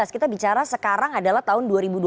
kita bicara sekarang adalah tahun dua ribu dua puluh